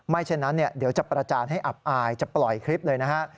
เช่นนั้นเดี๋ยวจะประจานให้อับอายจะปล่อยคลิปเลยนะฮะ